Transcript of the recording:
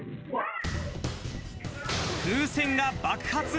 風船が爆発。